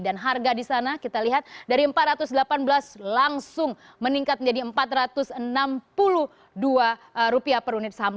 dan harga di sana kita lihat dari empat ratus delapan belas langsung meningkat menjadi rp empat ratus enam puluh dua per unit saham